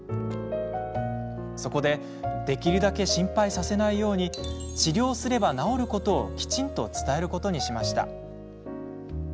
そこで、できるだけ心配させないように治療すれば治ることをきちんと伝えることにしました。